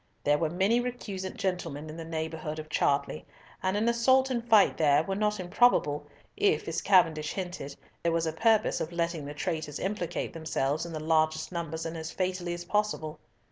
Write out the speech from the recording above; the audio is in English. There were many recusant gentlemen in the neighbourhood of Chartley, and an assault and fight there were not improbable, if, as Cavendish hinted, there was a purpose of letting the traitors implicate themselves in the largest numbers and as fatally as possible.